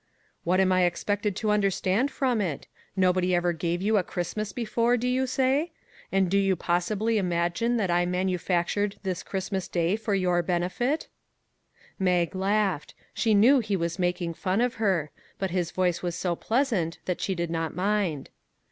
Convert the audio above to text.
" What am I expected to understand from it? Nobody ever gave you a Christmas before, do you say? And do you possibly imagine that I manufac tured this Christmas Day for your benefit ?" 56 " I'LL DO MY VERY BEST " Mag laughed ; she knew he was making fun of her; but his voice was so pleasant that she did not mind.